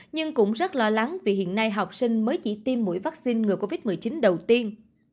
nhưng cũng rất lo lắng vì hiện nay học sinh mới chỉ tiêm mũi vaccine ngừa covid một mươi chín đầu tiên